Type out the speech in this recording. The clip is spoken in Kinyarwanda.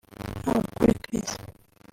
haba kuri Chris